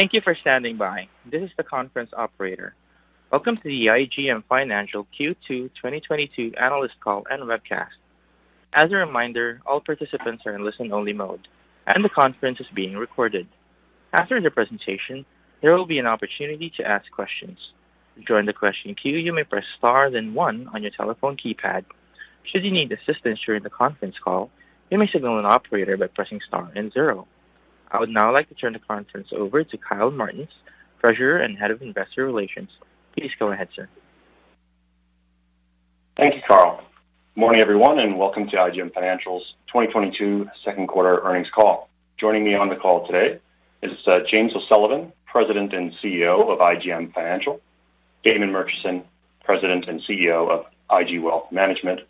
Thank you for standing by. This is the conference operator. Welcome to the IGM Financial Q2 2022 analyst call and webcast. As a reminder, all participants are in listen only mode, and the conference is being recorded. After the presentation, there will be an opportunity to ask questions. To join the question queue, you may press star then one on your telephone keypad. Should you need assistance during the conference call, you may signal an operator by pressing star and zero. I would now like to turn the conference over to Kyle Martens, Treasurer and Head of Investor Relations. Please go ahead, sir. Thank you, Carl. Morning, everyone, and welcome to IGM Financial's 2022 second quarter earnings call. Joining me on the call today is James O'Sullivan, President and CEO of IGM Financial, Damon Murchison, President and CEO of IG Wealth Management,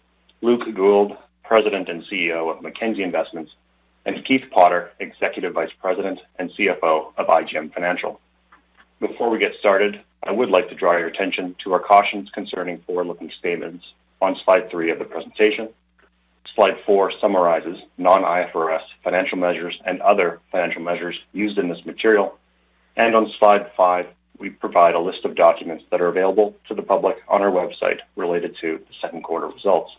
Luke Gould, President and CEO of Mackenzie Investments, and Keith Potter, Executive Vice President and CFO of IGM Financial. Before we get started, I would like to draw your attention to our cautions concerning forward-looking statements on slide three of the presentation. Slide four summarizes non-IFRS financial measures and other financial measures used in this material. On slide five, we provide a list of documents that are available to the public on our website related to the second quarter results.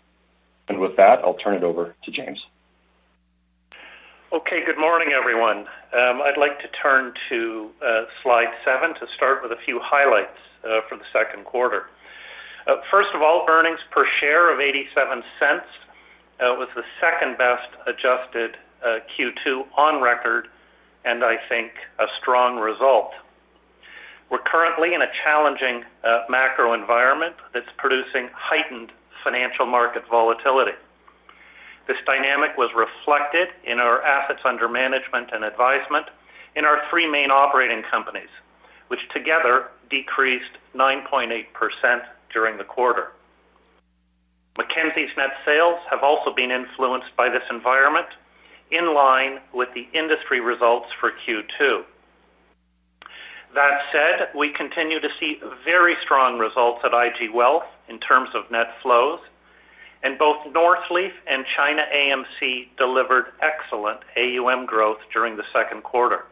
With that, I'll turn it over to James. Okay, good morning, everyone. I'd like to turn to slide seven to start with a few highlights for the second quarter. First of all, earnings per share of 0.87 was the second-best adjusted Q2 on record, and I think a strong result. We're currently in a challenging macro environment that's producing heightened financial market volatility. This dynamic was reflected in our assets under management and advisement in our three main operating companies, which together decreased 9.8% during the quarter. Mackenzie's net sales have also been influenced by this environment, in line with the industry results for Q2. That said, we continue to see very strong results at IG Wealth in terms of net flows, and both Northleaf and ChinaAMC delivered excellent AUM growth during the second quarter.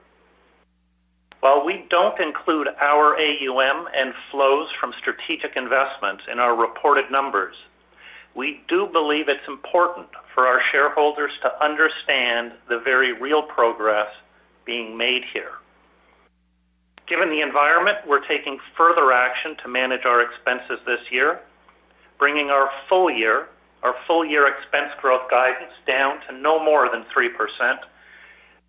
While we don't include our AUM and flows from strategic investments in our reported numbers, we do believe it's important for our shareholders to understand the very real progress being made here. Given the environment, we're taking further action to manage our expenses this year, bringing our full-year expense growth guidance down to no more than 3%,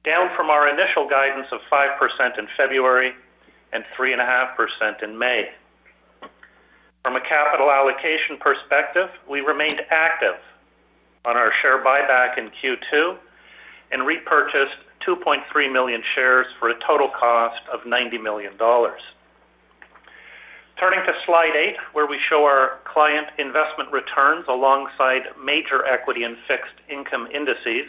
down from our initial guidance of 5% in February and 3.5% in May. From a capital allocation perspective, we remained active on our share buyback in Q2 and repurchased 2.3 million shares for a total cost of 90 million dollars. Turning to slide eight, where we show our client investment returns alongside major equity and fixed income indices.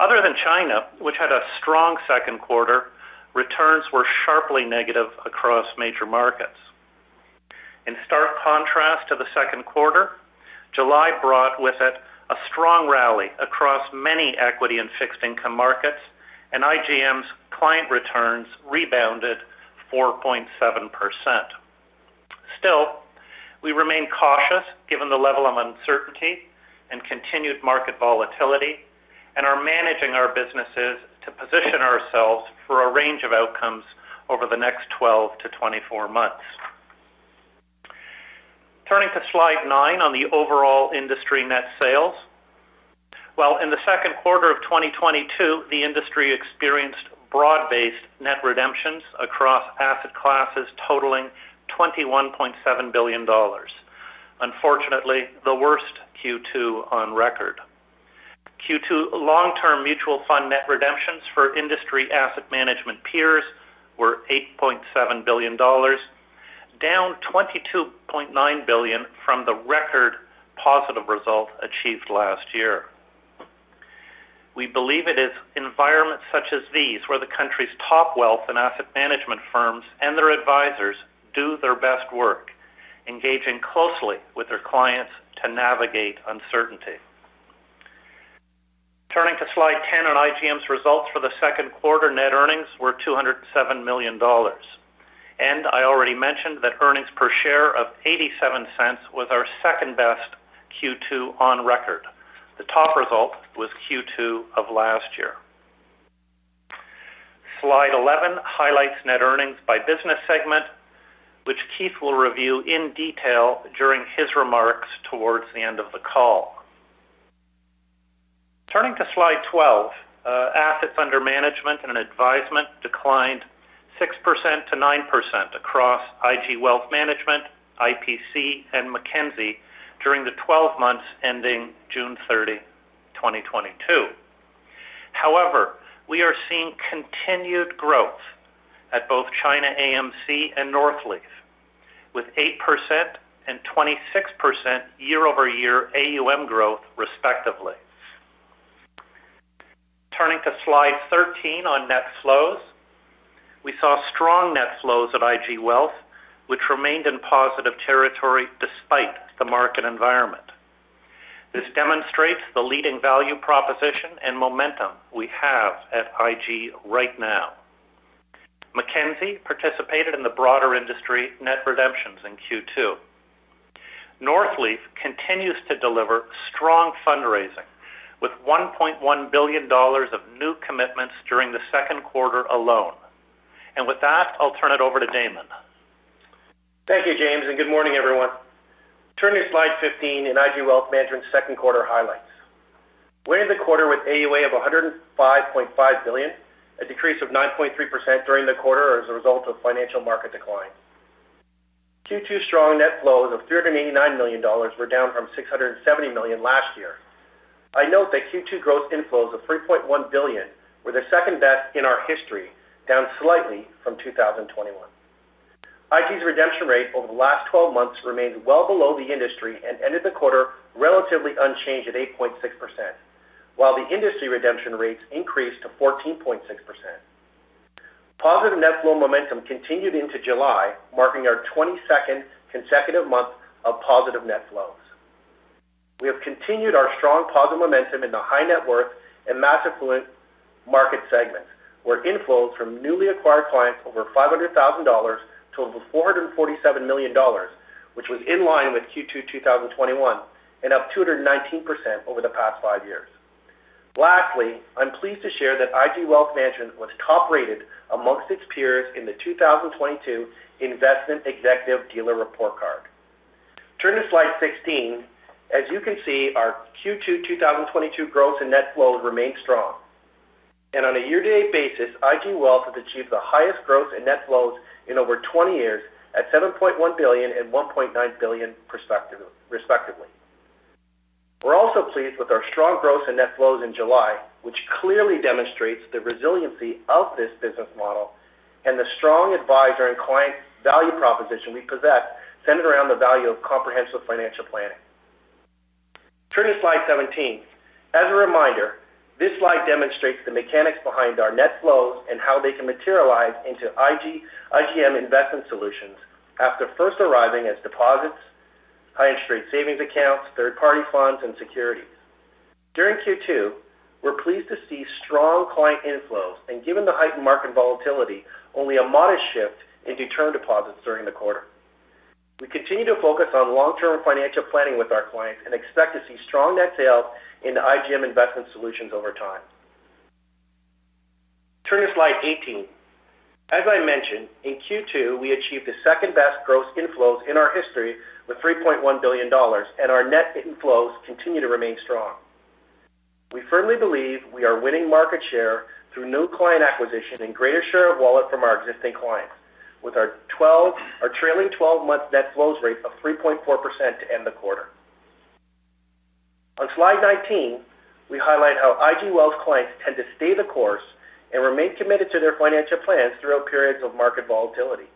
Other than China, which had a strong second quarter, returns were sharply negative across major markets. In stark contrast to the second quarter, July brought with it a strong rally across many equity and fixed income markets, and IGM's client returns rebounded 4.7%. Still, we remain cautious given the level of uncertainty and continued market volatility and are managing our businesses to position ourselves for a range of outcomes over the next 12-24 months. Turning to slide nine on the overall industry net sales. Well, in the second quarter of 2022, the industry experienced broad-based net redemptions across asset classes totaling 21.7 billion dollars. Unfortunately, the worst Q2 on record. Q2 long-term mutual fund net redemptions for industry asset management peers were 8.7 billion dollars, down 22.9 billion from the record positive result achieved last year. We believe it is environments such as these where the country's top wealth and asset management firms and their advisors do their best work, engaging closely with their clients to navigate uncertainty. Turning to slide 10 on IGM's results for the second quarter, net earnings were 207 million dollars. I already mentioned that earnings per share of 0.87 was our second-best Q2 on record. The top result was Q2 of last year. Slide 11 highlights net earnings by business segment, which Keith will review in detail during his remarks towards the end of the call. Turning to slide 12, assets under management and advisement declined 6%-9% across IG Wealth Management, IPC, and Mackenzie during the twelve months ending June 30, 2022. However, we are seeing continued growth at both ChinaAMC and Northleaf with 8% and 26% year-over-year AUM growth, respectively. Turning to slide 13 on net flows. We saw strong net flows at IG Wealth, which remained in positive territory despite the market environment. This demonstrates the leading value proposition and momentum we have at IG right now. Mackenzie participated in the broader industry net redemptions in Q2. Northleaf continues to deliver strong fundraising with 1.1 billion dollars of new commitments during the second quarter alone. With that, I'll turn it over to Damon. Thank you, James, and good morning everyone. Turn to slide 15 in IG Wealth Management's second quarter highlights. We ended the quarter with AUA of 105.5 billion, a decrease of 9.3% during the quarter as a result of financial market decline. Q2 strong net flows of 389 million dollars were down from 670 million last year. I note that Q2 gross inflows of 3.1 billion were the second-best in our history, down slightly from 2021. IG's redemption rate over the last twelve months remains well below the industry and ended the quarter relatively unchanged at 8.6%, while the industry redemption rates increased to 14.6%. Positive net flow momentum continued into July, marking our 22nd consecutive month of positive net flows. We have continued our strong positive momentum in the high net worth and mass affluent market segments, where inflows from newly acquired clients over 500,000 dollars totals 447 million dollars, which was in line with Q2 2021 and up 219% over the past five years. Lastly, I'm pleased to share that IG Wealth Management was top-rated amongst its peers in the 2022 Investment Executive Dealer Report Card. Turn to slide 16. As you can see, our Q2 2022 growth in net flows remains strong. On a year-to-date basis, IG Wealth has achieved the highest growth in net flows in over 20 years at 7.1 billion and 1.9 billion respectively. We're also pleased with our strong growth in net flows in July, which clearly demonstrates the resiliency of this business model and the strong advisor and client value proposition we possess, centered around the value of comprehensive financial planning. Turn to slide 17. As a reminder, this slide demonstrates the mechanics behind our net flows and how they can materialize into IGM investment solutions after first arriving as deposits, high interest rate savings accounts, third-party funds, and securities. During Q2, we're pleased to see strong client inflows and given the heightened market volatility, only a modest shift into term deposits during the quarter. We continue to focus on long-term financial planning with our clients and expect to see strong net sales into IGM investment solutions over time. Turn to slide 18. As I mentioned, in Q2, we achieved the second-best gross inflows in our history with 3.1 billion dollars, and our net inflows continue to remain strong. We firmly believe we are winning market share through new client acquisition and greater share of wallet from our existing clients with our trailing twelve-month net flows rate of 3.4% to end the quarter. On slide 19, we highlight how IG Wealth clients tend to stay the course and remain committed to their financial plans throughout periods of market volatility.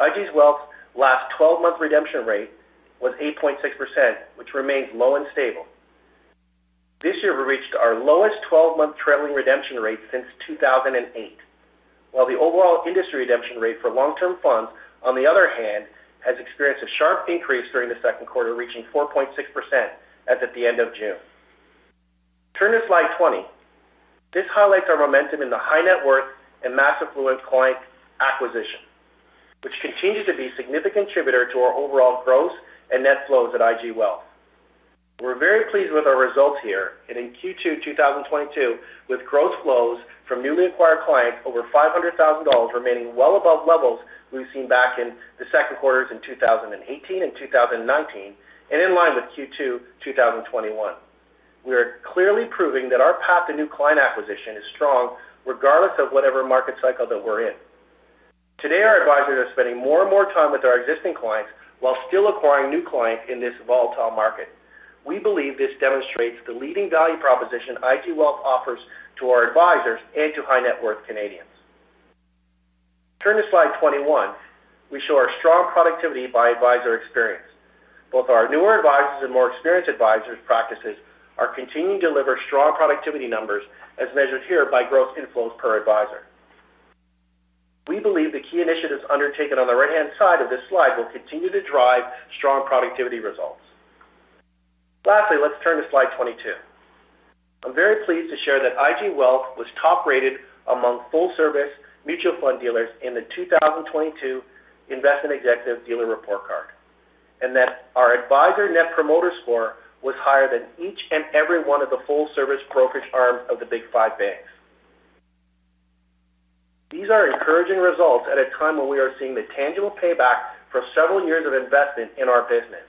IG Wealth's last twelve-month redemption rate was 8.6%, which remains low and stable. This year, we reached our lowest twelve-month trailing redemption rate since 2008. While the overall industry redemption rate for long-term funds, on the other hand, has experienced a sharp increase during the second quarter, reaching 4.6% as at the end of June. Turn to slide 20. This highlights our momentum in the high net worth and mass affluent client acquisition, which continues to be a significant contributor to our overall growth and net flows at IG Wealth. We're very pleased with our results here and in Q2 2022 with growth flows from newly acquired clients over 500,000 dollars remaining well above levels we've seen back in the second quarters in 2018 and 2019 and in line with Q2 2021. We are clearly proving that our path to new client acquisition is strong regardless of whatever market cycle that we're in. Today, our advisors are spending more and more time with our existing clients while still acquiring new clients in this volatile market. We believe this demonstrates the leading value proposition IG Wealth offers to our advisors and to high-net-worth Canadians. Turn to slide 21, which shows our strong productivity by advisor experience. Both our newer advisors and more experienced advisors practices are continuing to deliver strong productivity numbers as measured here by growth inflows per advisor. We believe the key initiatives undertaken on the right-hand side of this slide will continue to drive strong productivity results. Lastly, let's turn to slide 22. I'm very pleased to share that IG Wealth was top-rated among full-service mutual fund dealers in the 2022 Investment Executive Dealer Report Card, and that our advisor Net Promoter Score was higher than each and every one of the full-service brokerage arms of the Big Five banks. These are encouraging results at a time when we are seeing the tangible payback for several years of investment in our business.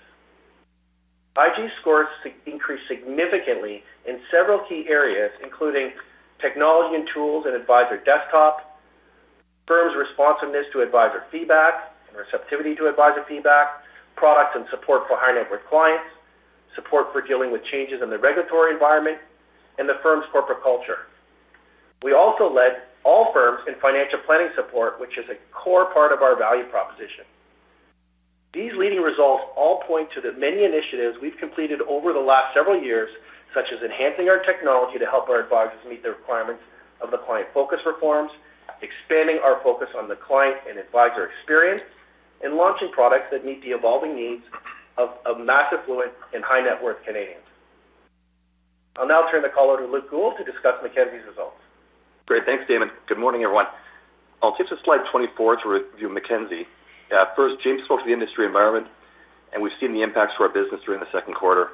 IG scores increased significantly in several key areas, including technology and tools and advisor desktop, firm's responsiveness to advisor feedback and receptivity to advisor feedback, product and support for high-net-worth clients, support for dealing with changes in the regulatory environment, and the firm's corporate culture. We also led all firms in financial planning support, which is a core part of our value proposition. These leading results all point to the many initiatives we've completed over the last several years, such as enhancing our technology to help our advisors meet the requirements of the client-focused reforms, expanding our focus on the client and advisor experience, and launching products that meet the evolving needs of mass affluent and high net worth Canadians. I'll now turn the call over to Luke Gould to discuss Mackenzie's results. Great. Thanks, Damon. Good morning, everyone. I'll skip to slide 24 to review Mackenzie. First, James spoke to the industry environment, and we've seen the impacts to our business during the second quarter.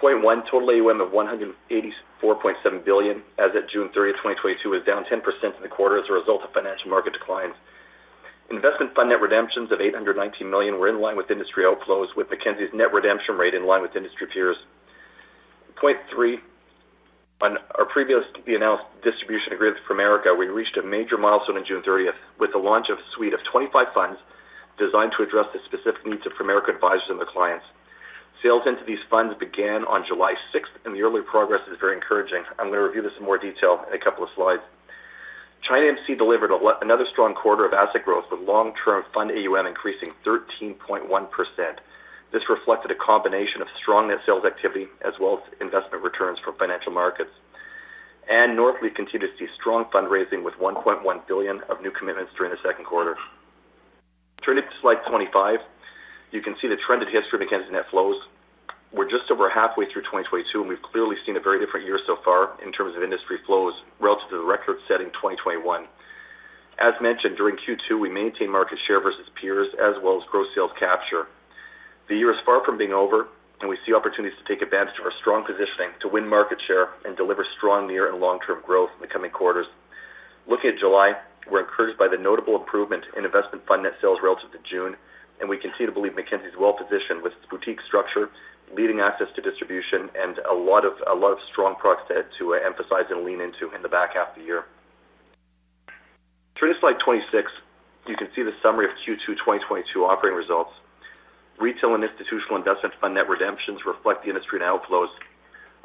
Point one, total AUM of 184.7 billion as of June 30, 2022, was down 10% in the quarter as a result of financial market declines. Investment fund net redemptions of 819 million were in line with industry outflows, with Mackenzie's net redemption rate in line with industry peers. Point three, on our previously announced distribution agreement with Primerica, we reached a major milestone on June 30 with the launch of a suite of 25 funds designed to address the specific needs of Primerica advisors and their clients. Sales into these funds began on July 6, and the early progress is very encouraging. I'm gonna review this in more detail in a couple of slides. ChinaAMC delivered a lot, another strong quarter of asset growth, with long-term fund AUM increasing 13.1%. This reflected a combination of strong net sales activity as well as investment returns from financial markets. Northleaf continued to see strong fundraising with 1.1 billion of new commitments during the second quarter. Turning to slide 25, you can see the trend and history of Mackenzie net flows. We're just over halfway through 2022, and we've clearly seen a very different year so far in terms of industry flows relative to the record-setting 2021. As mentioned, during Q2, we maintained market share versus peers as well as gross sales capture. The year is far from being over, and we see opportunities to take advantage of our strong positioning to win market share and deliver strong near and long-term growth in the coming quarters. Looking at July, we're encouraged by the notable improvement in investment fund net sales relative to June, and we continue to believe Mackenzie's well-positioned with its boutique structure, leading access to distribution, and a lot of strong products to emphasize and lean into in the back half of the year. Turning to slide 26, you can see the summary of Q2 2022 operating results. Retail and institutional investment fund net redemptions reflect the industry net outflows.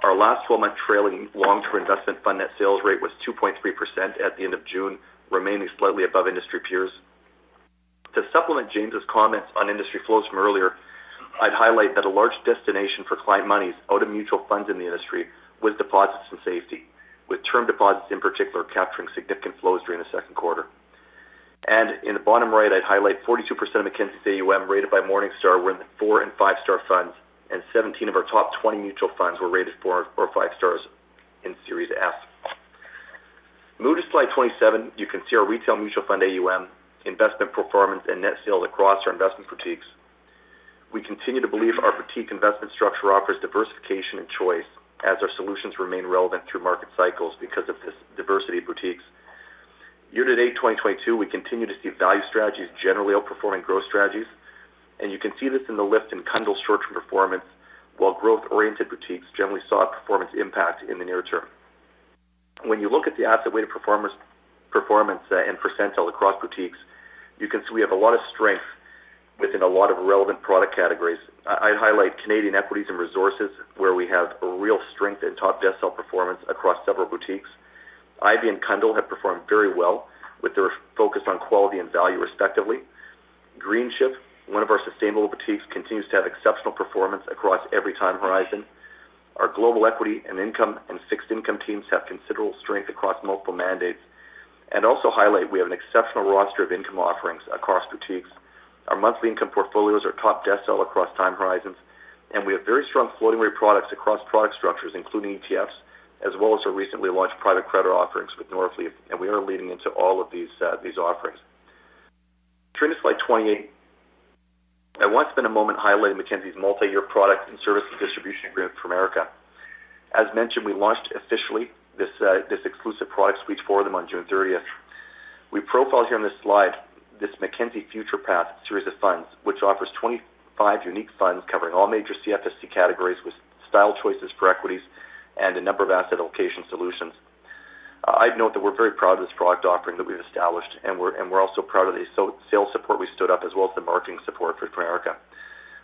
Our last 12-month trailing long-term investment fund net sales rate was 2.3% at the end of June, remaining slightly above industry peers. To supplement James' comments on industry flows from earlier, I'd highlight that a large destination for client monies out of mutual funds in the industry was deposits and safety, with term deposits in particular capturing significant flows during the second quarter. In the bottom right, I'd highlight 42% of Mackenzie's AUM rated by Morningstar were in the 4- and 5-star funds, and 17 of our top 20 mutual funds were rated 4 or 5 stars in Series F. Moving to slide 27, you can see our retail mutual fund AUM, investment performance, and net sales across our investment boutiques. We continue to believe our boutique investment structure offers diversification and choice as our solutions remain relevant through market cycles because of this diversity of boutiques. Year-to-date 2022, we continue to see value strategies generally outperforming growth strategies, and you can see this in the lift in Cundill's short-term performance, while growth-oriented boutiques generally saw a performance impact in the near term. When you look at the asset-weighted performance and percentile across boutiques, you can see we have a lot of strength within a lot of relevant product categories. I'd highlight Canadian equities and resources, where we have a real strength in top decile performance across several boutiques. Ivy and Cundill have performed very well with their focus on quality and value respectively. Greenchip, one of our sustainable boutiques, continues to have exceptional performance across every time horizon. Our global equity and income and fixed income teams have considerable strength across multiple mandates. Also highlight we have an exceptional roster of income offerings across boutiques. Our monthly income portfolios are top decile across time horizons, and we have very strong floating-rate products across product structures, including ETFs, as well as our recently launched private credit offerings with Northleaf, and we are leaning into all of these offerings. Turning to slide 28, I want to spend a moment highlighting Mackenzie's multi-year product and service distribution agreement with Primerica. As mentioned, we launched officially this exclusive product suite for them on June 30th. We profile here on this slide this Mackenzie FuturePath series of funds, which offers 25 unique funds covering all major CIFSC categories with style choices for equities and a number of asset allocation solutions. I'd note that we're very proud of this product offering that we've established, and we're also proud of the sales support we stood up as well as the marketing support for Primerica.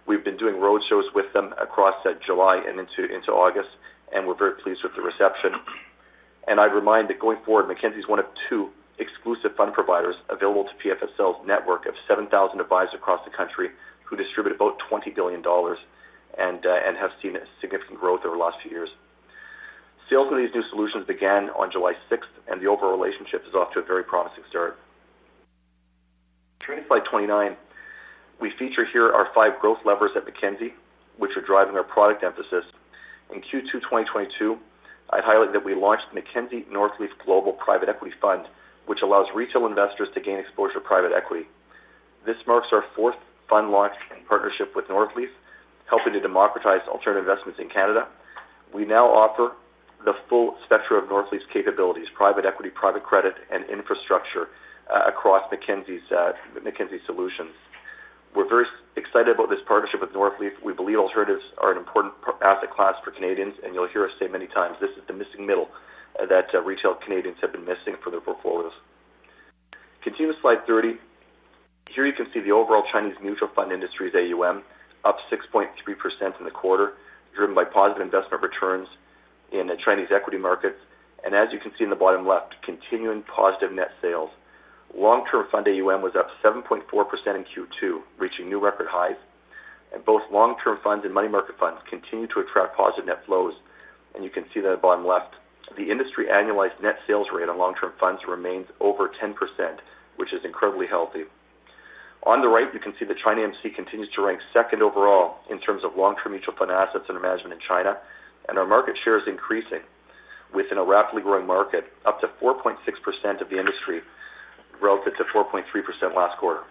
We've been doing roadshows with them across July and into August, and we're very pleased with the reception. I'd remind that going forward, Mackenzie's one of two exclusive fund providers available to PFSL's network of 7,000 advisors across the country who distribute about 20 billion dollars and have seen a significant growth over the last few years. Sales of these new solutions began on July sixth, and the overall relationship is off to a very promising start. Turning to slide 29, we feature here our five growth levers at Mackenzie, which are driving our product emphasis. In Q2 2022, I'd highlight that we launched Mackenzie Northleaf Global Private Equity Fund, which allows retail investors to gain exposure to private equity. This marks our fourth fund launch in partnership with Northleaf, helping to democratize alternative investments in Canada. We now offer the full spectrum of Northleaf's capabilities, private equity, private credit, and infrastructure across Mackenzie's, Mackenzie solutions. We're very excited about this partnership with Northleaf. We believe alternatives are an important asset class for Canadians, and you'll hear us say many times, this is the missing middle that, retail Canadians have been missing for their portfolios. Continuing to slide 30. Here you can see the overall Chinese mutual fund industry's AUM, up 6.3% in the quarter, driven by positive investment returns in the Chinese equity markets and, as you can see in the bottom left, continuing positive net sales. Long-term fund AUM was up 7.4% in Q2, reaching new record highs. Both long-term funds and money market funds continue to attract positive net flows, and you can see that at bottom left. The industry annualized net sales rate on long-term funds remains over 10%, which is incredibly healthy. On the right, you can see that China MC continues to rank second overall in terms of long-term mutual fund assets under management in China, and our market share is increasing within a rapidly growing market, up to 4.6% of the industry relative to 4.3% last quarter.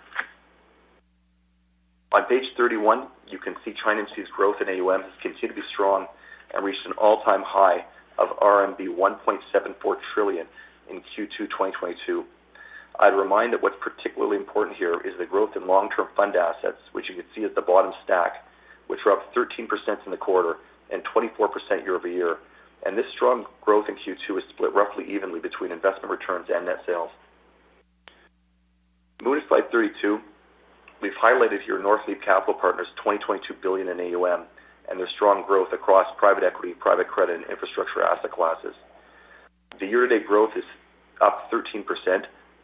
On page 31, you can see China MC's growth in AUM has continued to be strong and reached an all-time high of RMB 1.74 trillion in Q2 2022. I'd remind that what's particularly important here is the growth in long-term fund assets, which you can see at the bottom stack, which were up 13% in the quarter and 24% year-over-year. This strong growth in Q2 is split roughly evenly between investment returns and net sales. Moving to slide 32. We've highlighted here Northleaf Capital Partners 22 billion in AUM and their strong growth across private equity, private credit, and infrastructure asset classes. The year-to-date growth is up 13%,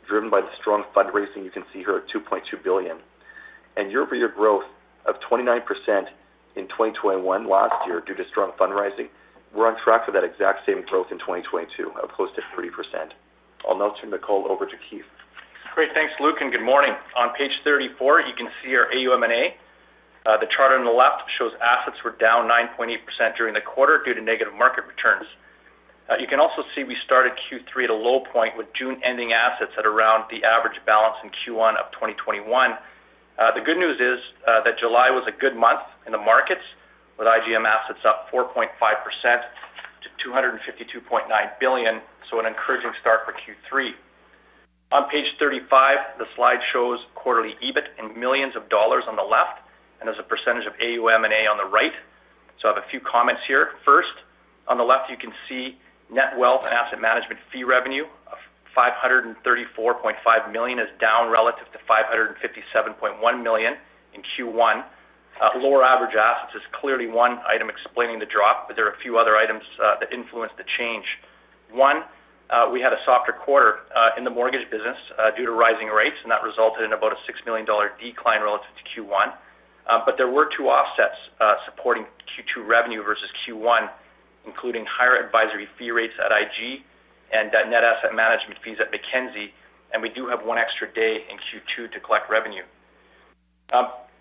driven by the strong fundraising you can see here of 2.2 billion. Year-over-year growth of 29% in 2021 last year due to strong fundraising, we're on track for that exact same growth in 2022 of close to 30%. I'll now turn it over to Keith. Great. Thanks, Luke, and good morning. On page 34, you can see our AUM and AUA. The chart on the left shows assets were down 9.8% during the quarter due to negative market returns. You can also see we started Q3 at a low point with June ending assets at around the average balance in Q1 of 2021. The good news is that July was a good month in the markets with IGM assets up 4.5% to 252.9 billion, so an encouraging start for Q3. On page 35, the slide shows quarterly EBIT in millions dollars on the left and as a percentage of AUM and AUA on the right. I have a few comments here. First, on the left, you can see net wealth and asset management fee revenue of 534.5 million is down relative to 557.1 million in Q1. Lower average assets is clearly one item explaining the drop, but there are a few other items that influenced the change. One, we had a softer quarter in the mortgage business due to rising rates, and that resulted in about a 6 million dollar decline relative to Q1. There were two offsets supporting Q2 revenue versus Q1, including higher advisory fee rates at IG and net asset management fees at Mackenzie, and we do have one extra day in Q2 to collect revenue.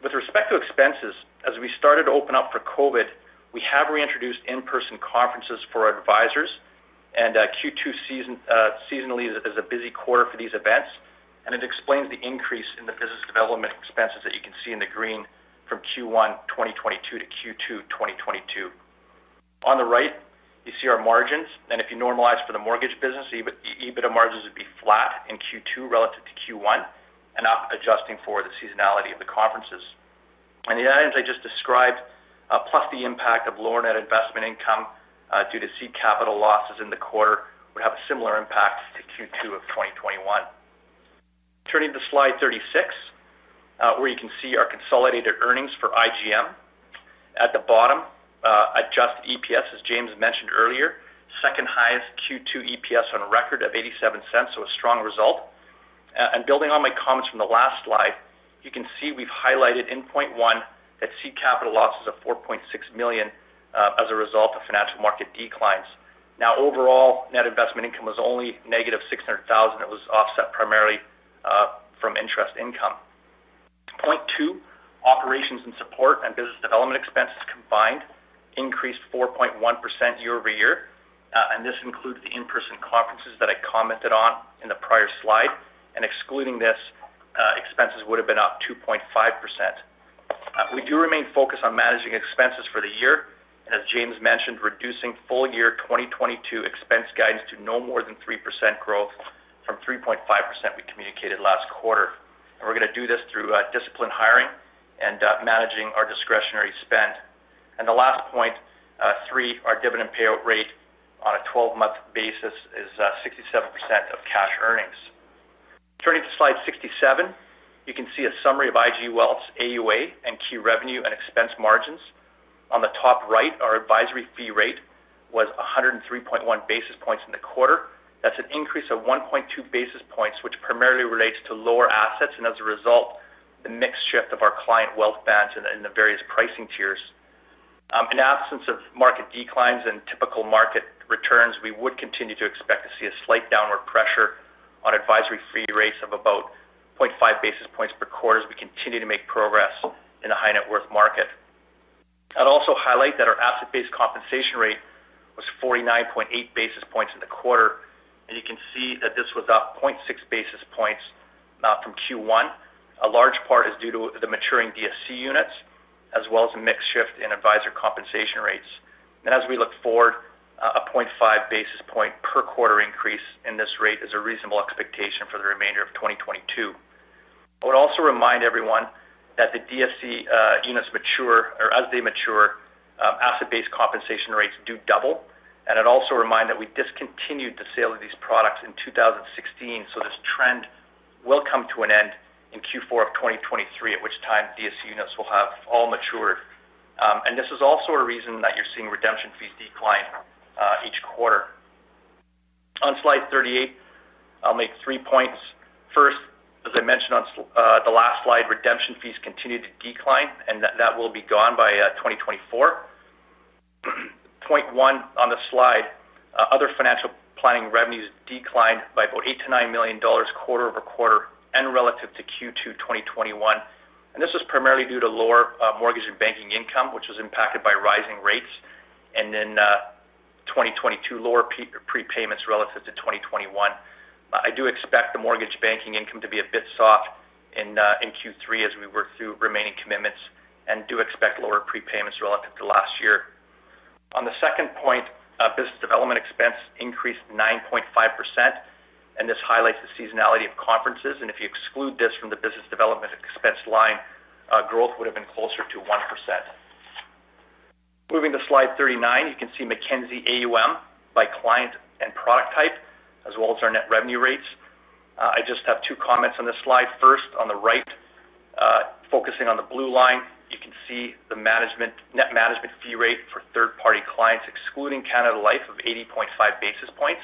With respect to expenses, as we started to open up for COVID, we have reintroduced in-person conferences for our advisors, and seasonally is a busy quarter for these events, and it explains the increase in the business development expenses that you can see in the green from Q1 2022 to Q2 2022. On the right, you see our margins, and if you normalize for the mortgage business, EBITDA margins would be flat in Q2 relative to Q1 and not adjusting for the seasonality of the conferences. The items I just described, plus the impact of lower net investment income, due to seed capital losses in the quarter would have a similar impact to Q2 of 2021. Turning to slide 36, where you can see our consolidated earnings for IGM. At the bottom, Ajusted EPS, as James mentioned earlier, second highest Q2 EPS on record of 0.87, so a strong result. And building on my comments from the last slide, you can see we've highlighted in point 1 that seed capital losses of 4.6 million as a result of financial market declines. Now, overall, net investment income was only -600 thousand. It was offset primarily from interest income. Point two, operations and support and business development expenses combined increased 4.1% year-over-year, and this includes the in-person conferences that I commented on in the prior slide. Excluding this, expenses would have been up 2.5%. We do remain focused on managing expenses for the year, and as James mentioned, reducing full year 2022 expense guidance to no more than 3% growth from 3.5% we communicated last quarter. We're going to do this through disciplined hiring and managing our discretionary spend. The last point three, our dividend payout rate on a 12-month basis is 67% of cash earnings. Turning to slide 67, you can see a summary of IG Wealth's AUA and net revenue and expense margins. On the top right, our advisory fee rate was 103.1 basis points in the quarter. That's an increase of 1.2 basis points, which primarily relates to lower assets, and as a result, the mix shift of our client wealth bands in the various pricing tiers. In absence of market declines and typical market returns, we would continue to expect to see a slight downward pressure on advisory fee rates of about 0.5 basis points per quarter as we continue to make progress in the high net worth market. I'd also highlight that our asset-based compensation rate was 49.8 basis points in the quarter, and you can see that this was up 0.6 basis points from Q1. A large part is due to the maturing DSC units as well as a mix shift in advisor compensation rates. As we look forward, a 0.5 basis point per quarter increase in this rate is a reasonable expectation for the remainder of 2022. I would also remind everyone that the DSC units mature or as they mature, asset-based compensation rates do double. I'd also remind that we discontinued the sale of these products in 2016, so this trend will come to an end in Q4 of 2023, at which time DSC units will have all matured. This is also a reason that you're seeing redemption fees decline each quarter. On slide 38, I'll make three points. First, as I mentioned on the last slide, redemption fees continued to decline, and that will be gone by 2024. Point one on the slide, other financial planning revenues declined by about 8 million-9 million dollars quarter-over-quarter and relative to Q2 2021. This was primarily due to lower mortgage and banking income, which was impacted by rising rates. 2022 lower prepayments relative to 2021. I do expect the mortgage banking income to be a bit soft in Q3 as we work through remaining commitments and do expect lower prepayments relative to last year. On the second point, business development expense increased 9.5%, and this highlights the seasonality of conferences. If you exclude this from the business development expense line, growth would have been closer to 1%. Moving to slide 39, you can see Mackenzie AUM by client and product type, as well as our net revenue rates. I just have two comments on this slide. First, on the right, focusing on the blue line, you can see the net management fee rate for third-party clients, excluding Canada Life of 80.5 basis points.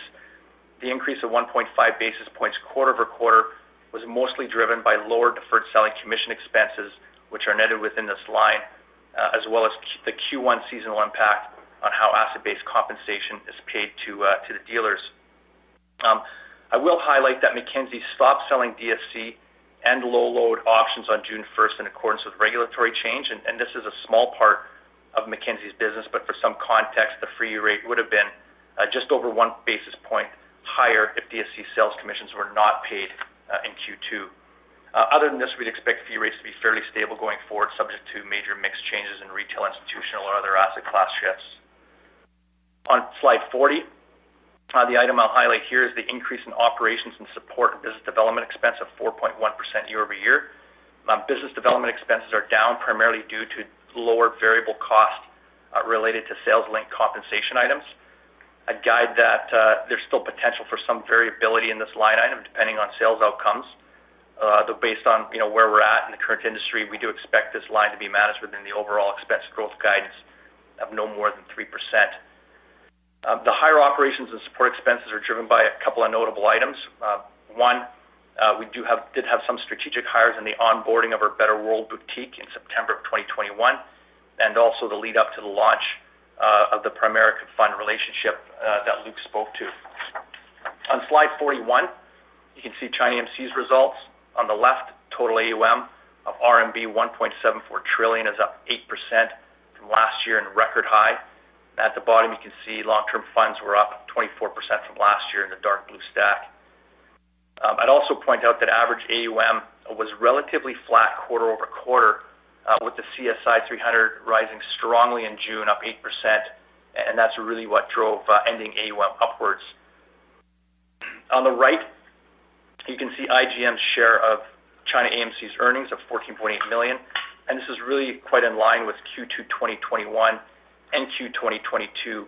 The increase of 1.5 basis points quarter over quarter was mostly driven by lower deferred selling commission expenses, which are netted within this line, as well as the Q1 seasonal impact on how asset-based compensation is paid to the dealers. I will highlight that Mackenzie stopped selling DSC and low load options on June first in accordance with regulatory change. This is a small part of Mackenzie's business, but for some context, the fee rate would have been just over one basis point higher if DSC sales commissions were not paid in Q2. Other than this, we'd expect fee rates to be fairly stable going forward, subject to major mix changes in retail, institutional or other asset class shifts. On slide 40, the item I'll highlight here is the increase in operations and support business development expense of 4.1% year-over-year. Business development expenses are down primarily due to lower variable cost related to sales-linked compensation items. I'd guide that there's still potential for some variability in this line item depending on sales outcomes. Though based on where we're at in the current industry, we do expect this line to be managed within the overall expense growth guidance of no more than 3%. The higher operations and support expenses are driven by a couple of notable items. We did have some strategic hires in the onboarding of our Betterworld Boutique in September of 2021, and also the lead up to the launch of the Primerica fund relationship that Luke spoke to. On slide 41, you can see ChinaAMC's results. On the left, total AUM of RMB 1.74 trillion is up 8% from last year and record high. At the bottom, you can see long-term funds were up 24% from last year in the dark blue stack. I'd also point out that average AUM was relatively flat quarter-over-quarter with the CSI 300 rising strongly in June up 8%, and that's really what drove ending AUM upwards. On the right, you can see IGM's share of ChinaAMC's earnings of 14.8 million. This is really quite in line with Q2 2021 and Q2 2022,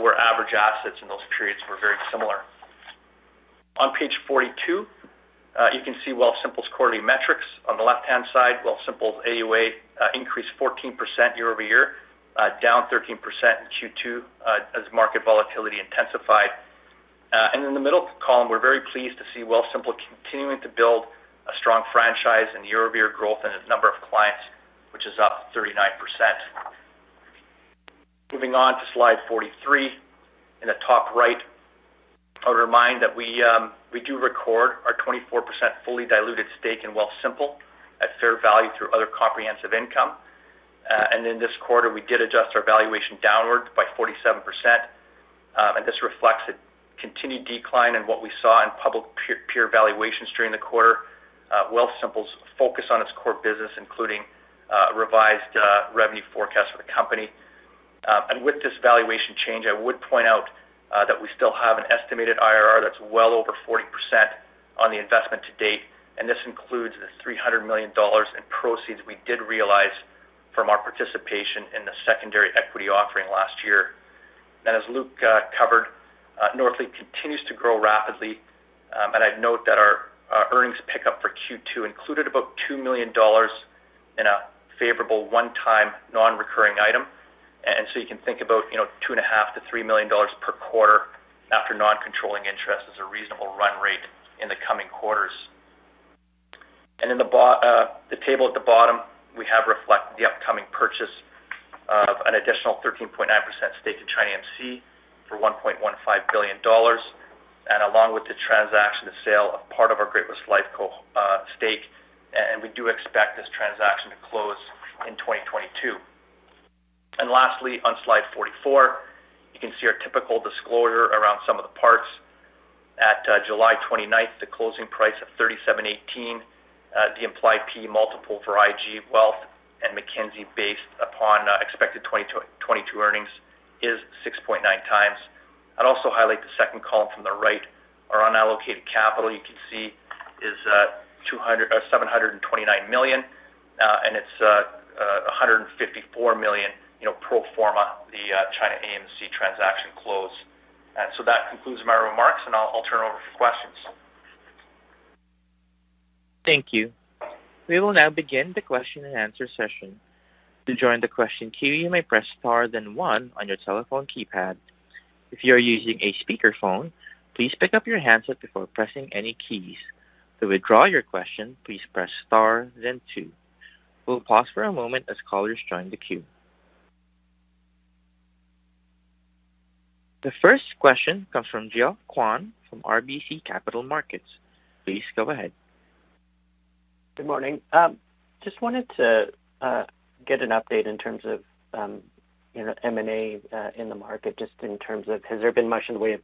where average assets in those periods were very similar. On page 42, you can see Wealthsimple's quarterly metrics. On the left-hand side, Wealthsimple's AUA increased 14% year-over-year, down 13% in Q2, as market volatility intensified. In the middle column, we're very pleased to see Wealthsimple continuing to build a strong franchise and year-over-year growth in its number of clients, which is up 39%. Moving on to slide 43. In the top right, I would remind that we do record our 24% fully diluted stake in Wealthsimple at fair value through other comprehensive income. In this quarter, we did adjust our valuation downward by 47%. This reflects a continued decline in what we saw in public peer valuations during the quarter. Wealthsimple's focus on its core business, including revised revenue forecast for the company. With this valuation change, I would point out that we still have an estimated IRR that's well over 40% on the investment to date, and this includes the 300 million dollars in proceeds we did realize from our participation in the secondary equity offering last year. As Luke covered, Northleaf continues to grow rapidly. I'd note that our earnings pick up for Q2 included about 2 million dollars in a favorable one-time non-recurring item. You can think about, you know, 2.5 million-3 million dollars per quarter after non-controlling interest as a reasonable run rate in the coming quarters. In the table at the bottom, we reflect the upcoming purchase of an additional 13.9% stake in ChinaAMC for $1.15 billion. Along with the transaction, the sale of part of our Great-West Lifeco stake. We do expect this transaction to close in 2022. Lastly, on slide 44, you can see our typical disclosure around some of the parts. At July 29, the closing price of 37.18, the implied P/E multiple for IG Wealth and Mackenzie based upon expected 2022 earnings is 6.9 times. I'd also highlight the second column from the right. Our unallocated capital, you can see, is 729 million. It's 154 million, you know, pro forma the ChinaAMC transaction close. That concludes my remarks, and I'll turn it over for questions. Thank you. We will now begin the question-and-answer session. To join the question queue, you may press Star then one on your telephone keypad. If you're using a speakerphone, please pick up your handset before pressing any keys. To withdraw your question, please press Star then two. We'll pause for a moment as callers join the queue. The first question comes from Geoffrey Kwan from RBC Capital Markets. Please go ahead. Good morning. Just wanted to get an update in terms of you know M&A in the market just in terms of has there been much in the way of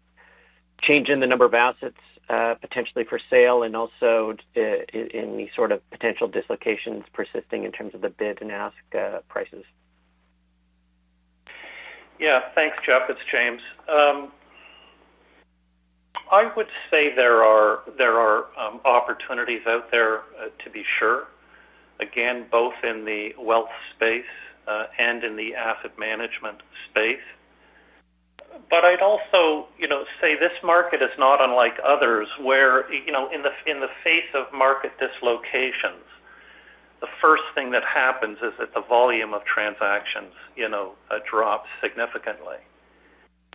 change in the number of assets potentially for sale and also in the sort of potential dislocations persisting in terms of the bid and ask prices? Yeah. Thanks, Geoffrey. It's James. I would say there are opportunities out there, to be sure, again, both in the wealth space, and in the asset management space. But I'd also, you know, say this market is not unlike others where, you know, in the face of market dislocations, the first thing that happens is that the volume of transactions, you know, drops significantly.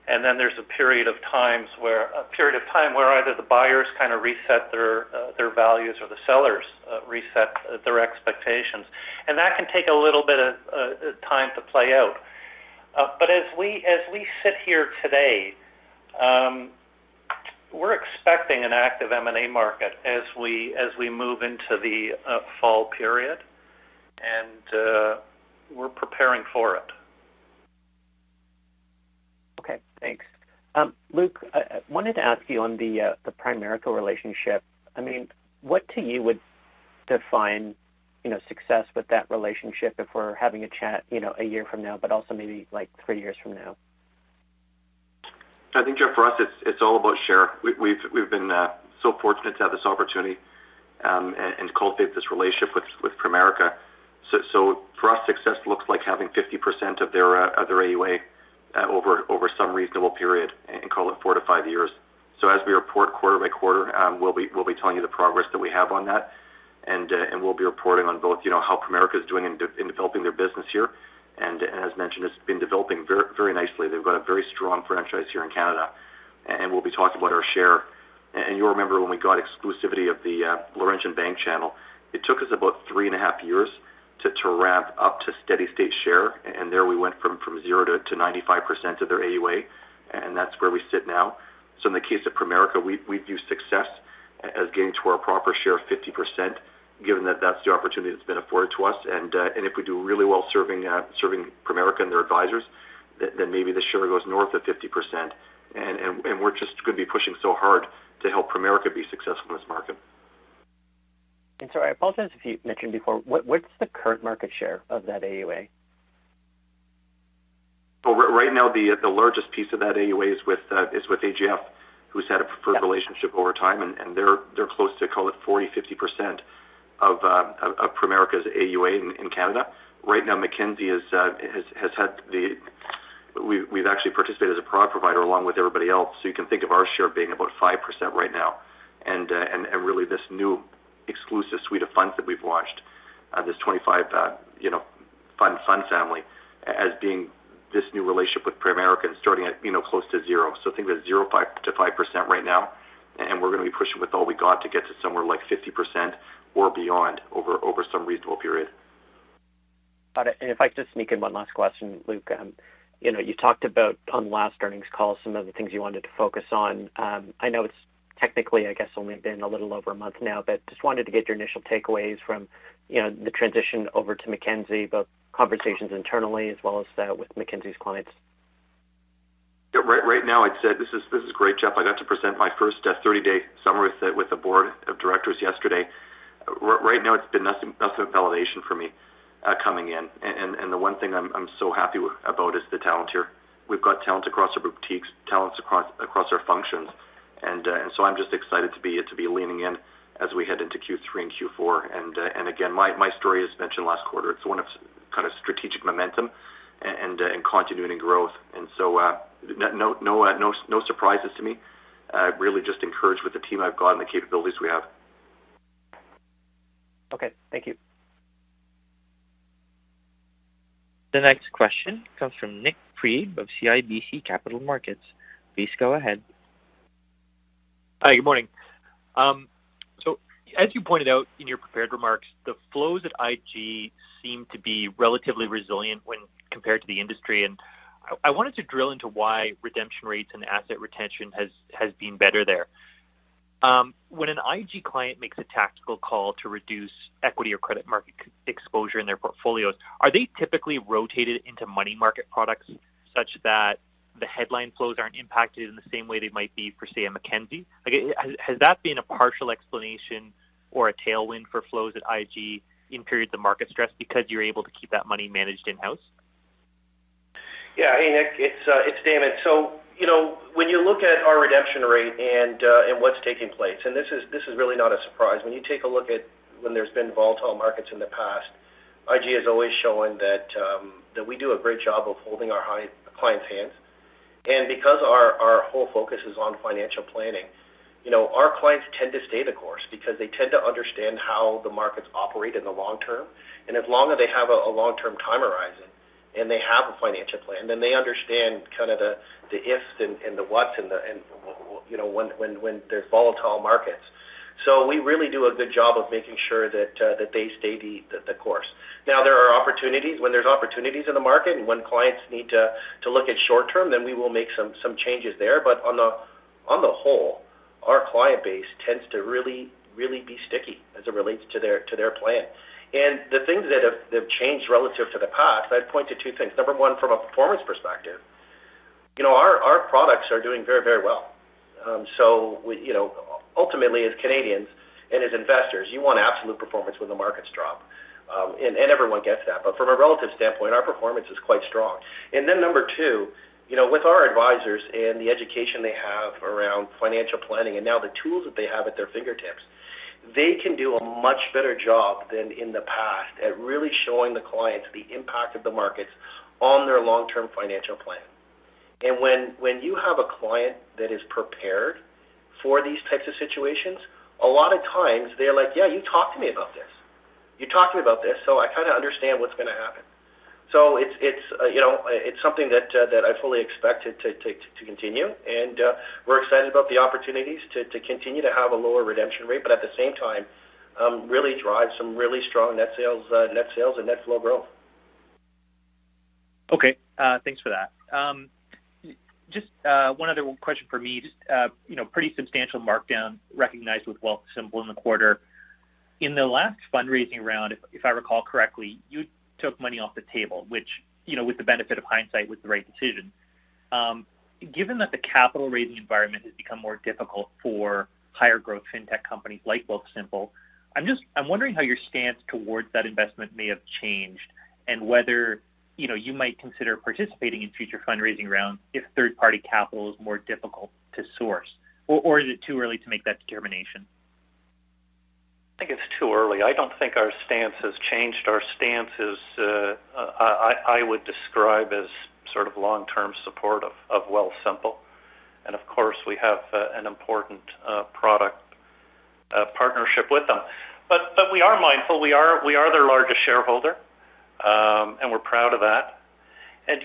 Then there's a period of time where either the buyers kind of reset their values or the sellers reset their expectations. That can take a little bit of time to play out. But as we sit here today, we're expecting an active M&A market as we move into the fall period, and we're preparing for it. Okay, Thanks. Luke, I wanted to ask you on the Primerica relationship. I mean, what to you would define, you know, success with that relationship if we're having a chat, you know, a year from now, but also maybe like three years from now? I think, Geoffrey, for us, it's all about share. We've been so fortunate to have this opportunity and cultivate this relationship with Primerica. For us, success looks like having 50% of their AUA over some reasonable period and call it four-five years. As we report quarter by quarter, we'll be telling you the progress that we have on that. We'll be reporting on both, you know, how Primerica is doing in developing their business here. As mentioned, it's been developing very nicely. They've got a very strong franchise here in Canada. We'll be talking about our share. You'll remember when we got exclusivity of the Laurentian Bank channel, it took us about three and a half years to ramp up to steady-state share. There we went from zero to 95% of their AUA, and that's where we sit now. In the case of Primerica, we view success as getting to our proper share of 50%, given that that's the opportunity that's been afforded to us. If we do really well serving Primerica and their advisors, then maybe the share goes north of 50%. We're just going to be pushing so hard to help Primerica be successful in this market. Sorry, I apologize if you mentioned before, what's the current market share of that AUA? Well, right now, the largest piece of that AUA is with AGF, who's had a preferred relationship over time, and they're close to, call it, 40%-50% of Primerica's AUA in Canada. Right now, Mackenzie has had the. We've actually participated as a product provider along with everybody else. You can think of our share being about 5% right now. Really this new exclusive suite of funds that we've launched, this 25, you know, fund family as being this new relationship with Primerica and starting at, you know, close to zero. I think that's 0.2%-0.5% right now. We're going to be pushing with all we got to get to somewhere like 50% or beyond over some reasonable period. Got it. If I could just sneak in one last question, Luke. You know, you talked about on last earnings call some of the things you wanted to focus on. I know it's technically, I guess, only been a little over a month now, but just wanted to get your initial takeaways from, you know, the transition over to Mackenzie, both conversations internally as well as with Mackenzie's clients. Yeah. Right now, I'd say this is great, Geoffrey. I got to present my first 30-day summary set with the board of directors yesterday. Right now, it's been nothing but validation for me coming in. The one thing I'm so happy about is the talent here. We've got talent across our boutiques, talents across our functions. I'm just excited to be leaning in as we head into Q3 and Q4. Again, my story, as mentioned last quarter, it's one of kind of strategic momentum and continuity and growth. No surprises to me. Really just encouraged with the team I've got and the capabilities we have. Okay. Thank you. The next question comes from Nik Priebe of CIBC Capital Markets. Please go ahead. Hi. Good morning. As you pointed out in your prepared remarks, the flows at IG seem to be relatively resilient when compared to the industry. I wanted to drill into why redemption rates and asset retention has been better there. When an IG client makes a tactical call to reduce equity or credit market exposure in their portfolios, are they typically rotated into money market products such that the headline flows aren't impacted in the same way they might be, per se, a Mackenzie? Like, has that been a partial explanation or a tailwind for flows at IG in periods of market stress because you're able to keep that money managed in-house? Yeah. Hey, Nik. It's Damon. You know, when you look at our redemption rate and what's taking place, this is really not a surprise. When you take a look at when there's been volatile markets in the past, IG is always showing that we do a great job of holding our high clients' hands. Because our whole focus is on financial planning, you know, our clients tend to stay the course because they tend to understand how the markets operate in the long term. As long as they have a long-term time horizon, and they have a financial plan, then they understand kind of the ifs and the buts, you know, when there's volatile markets. We really do a good job of making sure that they stay the course. Now there are opportunities. When there's opportunities in the market and when clients need to look at short term, then we will make some changes there. On the whole, our client base tends to really be sticky as it relates to their plan. The things that have changed relative to the past, I'd point to two things. Number one, from a performance perspective, you know, our products are doing very, very well. So we, you know, ultimately as Canadians and as investors, you want absolute performance when the markets drop, and everyone gets that. From a relative standpoint, our performance is quite strong. Number two, you know, with our advisors and the education they have around financial planning and now the tools that they have at their fingertips, they can do a much better job than in the past at really showing the clients the impact of the markets on their long-term financial plan. When you have a client that is prepared for these types of situations, a lot of times they're like, "Yeah, you talked to me about this. You talked to me about this, so I kind of understand what's going to happen." It's, you know, it's something that I fully expect it to continue, and we're excited about the opportunities to continue to have a lower redemption rate, but at the same time, really drive some really strong net sales and net flow growth. Okay. Thanks for that. Just one other question for me. Just you know, pretty substantial markdown recognized with Wealthsimple in the quarter. In the last fundraising round, if I recall correctly, you took money off the table, which you know, with the benefit of hindsight, was the right decision. Given that the capital raising environment has become more difficult for higher growth fintech companies like Wealthsimple, I'm wondering how your stance towards that investment may have changed and whether you know, you might consider participating in future fundraising rounds if third-party capital is more difficult to source. Or is it too early to make that determination? I think it's too early. I don't think our stance has changed. Our stance is, I would describe as sort of long-term support of Wealthsimple. Of course, we have an important product partnership with them. We are mindful. We are their largest shareholder, and we're proud of that.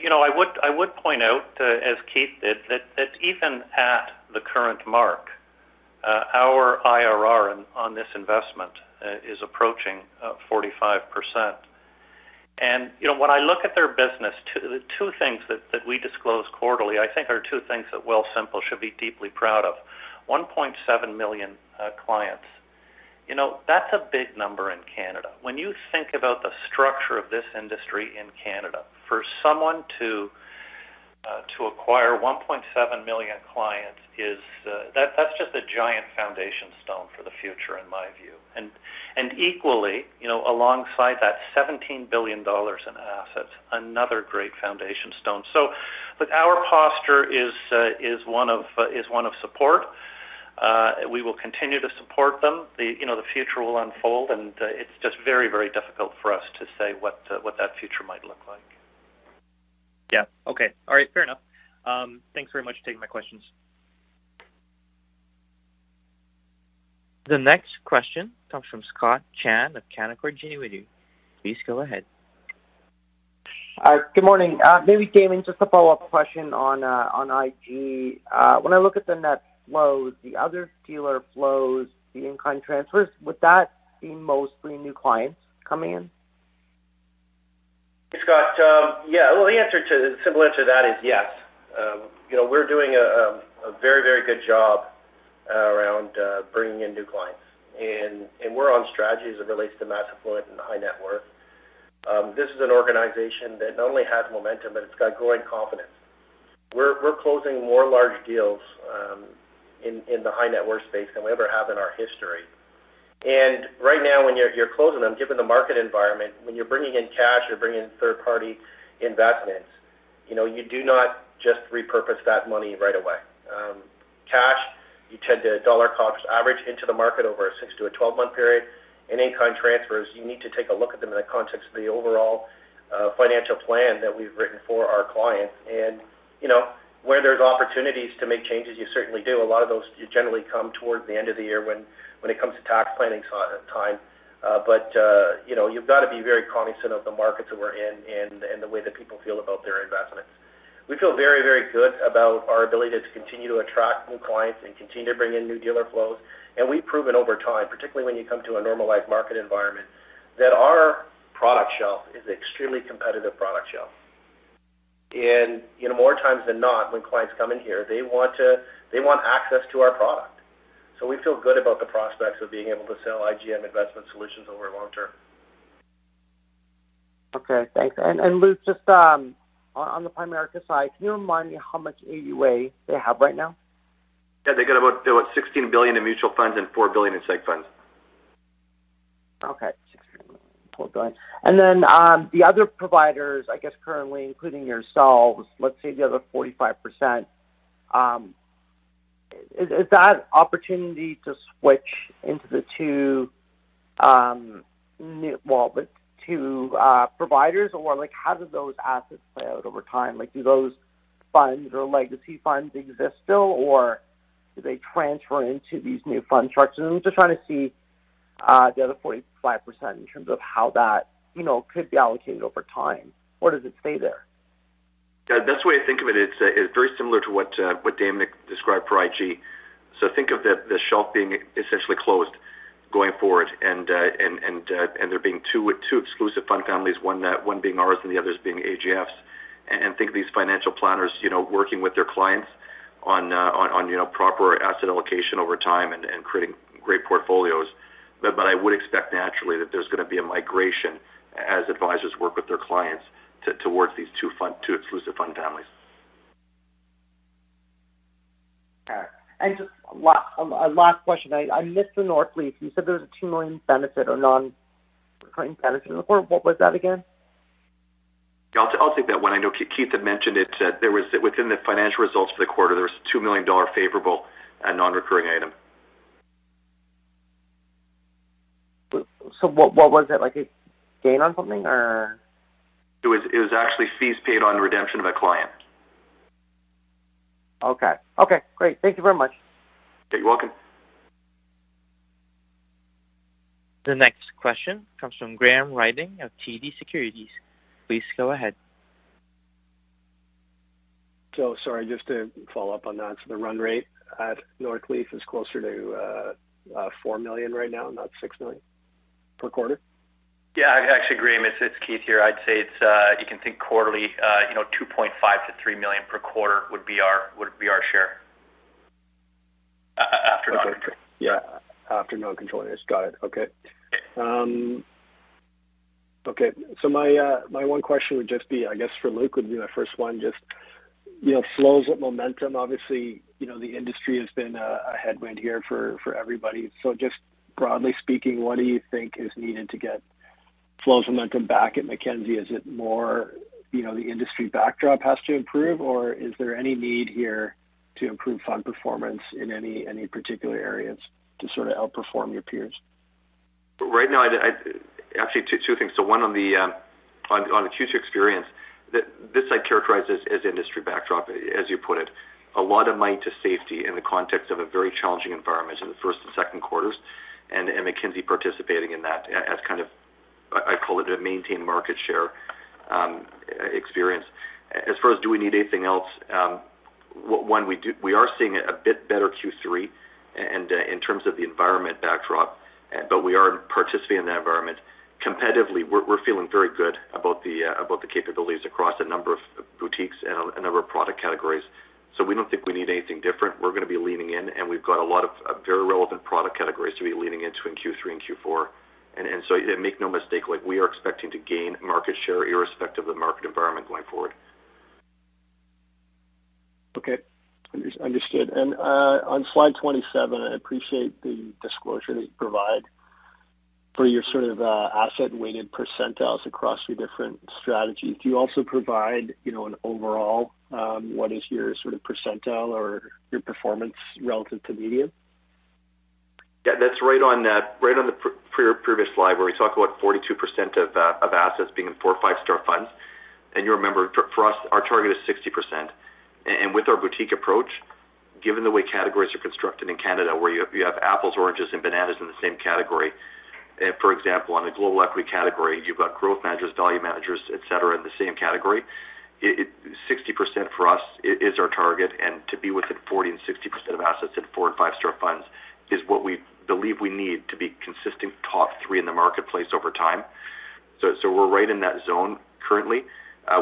You know, I would point out, as Keith did, that even at the current mark, our IRR on this investment is approaching 45%. You know, when I look at their business, two things that we disclose quarterly I think are two things that Wealthsimple should be deeply proud of. 1.7 million clients. You know, that's a big number in Canada. When you think about the structure of this industry in Canada, for someone to acquire 1.7 million clients, that's just a giant foundation stone for the future in my view. Equally, you know, alongside that 17 billion dollars in assets, another great foundation stone. Look, our posture is one of support. We will continue to support them. You know, the future will unfold, and it's just very difficult for us to say what that future might look like. Yeah. Okay. All right. Fair enough. Thanks very much for taking my questions. The next question comes from Scott Chan of Canaccord Genuity. Please go ahead. Hi. Good morning. Maybe, Damon Murchison, just a follow-up question on IG. When I look at the net flows, the other dealer flows, the in-kind transfers, would that be mostly new clients coming in? Hey, Scott. Yeah. Well, the simple answer to that is yes. You know, we're doing a very good job around bringing in new clients. We're on strategy as it relates to mass affluent and high net worth. This is an organization that not only has momentum, but it's got growing confidence. We're closing more large deals in the high net worth space than we ever have in our history. Right now, when you're closing them, given the market environment, when you're bringing in cash or bringing in third-party investments, you know, you do not just repurpose that money right away. Cash, you tend to dollar cost average into the market over a 6- to 12-month period. In-kind transfers, you need to take a look at them in the context of the overall financial plan that we've written for our clients. You know, where there's opportunities to make changes, you certainly do. A lot of those generally come towards the end of the year when it comes to tax planning time. You know, you've got to be very cognizant of the markets that we're in and the way that people feel about their investments. We feel very, very good about our ability to continue to attract new clients and continue to bring in new dealer flows. We've proven over time, particularly when you come to a normalized market environment, that our product shelf is an extremely competitive product shelf. You know, more times than not, when clients come in here, they want access to our product. We feel good about the prospects of being able to sell IGM investment solutions over long term. Okay. Thanks. Luke, just on the Primerica side, can you remind me how much AUA they have right now? Yeah. They have about 16 billion in mutual funds and 4 billion in seg funds. Okay. 16.4 billion. Then the other providers, I guess currently including yourselves, let's say the other 45%, is that opportunity to switch into the two new providers, or like how do those assets play out over time? Like, do those funds or legacy funds exist still, or do they transfer into these new fund structures? I'm just trying to see the other 45% in terms of how that, you know, could be allocated over time, or does it stay there? The best way to think of it is very similar to what Damon described for IG. Think of the shelf being essentially closed going forward and there being two exclusive fund families, one being ours and the other's being AGF's. Think of these financial planners, you know, working with their clients on you know proper asset allocation over time and creating great portfolios. I would expect naturally that there's going to be a migration as advisors work with their clients towards these two exclusive fund families. All right. Just a last question. I missed the Northleaf. You said there was a 2 million benefit or non-recurring benefit in the quarter. What was that again? I'll take that one. I know Keith had mentioned it. Within the financial results for the quarter, there was a 2 million dollar favorable non-recurring item. What was it? Like, a gain on something or. It was actually fees paid on redemption of a client. Okay. Okay, great. Thank you very much. You're welcome. The next question comes from Graham Ryding of TD Securities. Please go ahead. Sorry, just to follow up on that. The run rate at Northleaf is closer to 4 million right now, not 6 million per quarter? Yeah. Actually, Graham, it's Keith here. I'd say you can think quarterly, you know, 2.5 million-3 million per quarter would be our share. After non-controlling. Yeah. After non-controlling. Got it. Okay. My one question would just be, I guess for Luke, my first one. Just, you know, flow momentum. Obviously, you know, the industry has been a headwind here for everybody. Just broadly speaking, what do you think is needed to get flow momentum back at Mackenzie? Is it more, you know, the industry backdrop has to improve, or is there any need here to improve fund performance in any particular areas to sort of outperform your peers? Right now, I'd actually two things. One, on the Q2 experience, this I characterize as industry backdrop, as you put it. A lot of money to safety in the context of a very challenging environment in the first and second quarters, and Mackenzie participating in that as kind of, I call it a maintain market share experience. As far as do we need anything else, one, we do we are seeing a bit better Q3 and in terms of the environment backdrop, but we are participating in that environment. Competitively, we're feeling very good about the capabilities across a number of boutiques and a number of product categories. We don't think we need anything different. We're going to be leaning in, and we've got a lot of very relevant product categories to be leaning into in Q3 and Q4. So make no mistake, like, we are expecting to gain market share irrespective of the market environment going forward. Okay. Understood. On slide 27, I appreciate the disclosure that you provide for your sort of asset-weighted percentiles across your different strategies. Do you also provide an overall what is your sort of percentile or your performance relative to median? Yeah, that's right on that. Right on the previous slide where we talk about 42% of assets being in 4- or 5-star funds. You remember, for us, our target is 60%. With our boutique approach, given the way categories are constructed in Canada, where you have apples, oranges, and bananas in the same category. For example, on the global equity category, you've got growth managers, value managers, et cetera, in the same category. 60% for us is our target, and to be within 40%-60% of assets in 4- and 5-star funds is what we believe we need to be consistent top three in the marketplace over time. We're right in that zone currently.